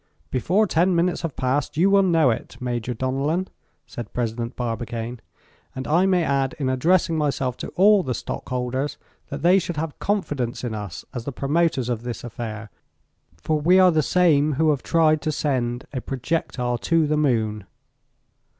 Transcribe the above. "Before ten minutes have passed you will know it, Major Donellan," said President Barbicane, "and I may add in addressing myself to all the stockholders, that they should have confidence in us as the promoters of this affair, for we are the same who have tried to send a projectile to the moon."